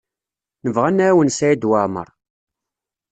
Nebɣa ad nɛawen Saɛid Waɛmaṛ.